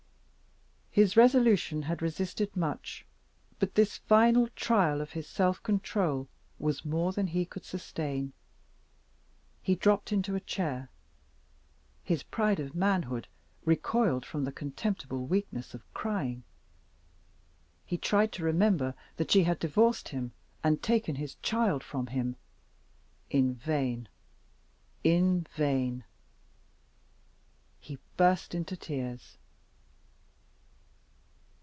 His resolution had resisted much; but this final trial of his self control was more than he could sustain. He dropped into a chair his pride of manhood recoiled from the contemptible weakness of crying he tried to remember that she had divorced him, and taken his child from him. In vain! in vain! He burst into tears.